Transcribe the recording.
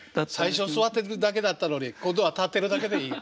最初座ってるだけだったのに今度は立ってるだけでいい。